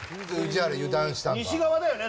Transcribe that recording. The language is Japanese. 西側だよね？